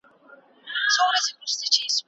دفاع وزارت نړیوال ملاتړ نه هیروي.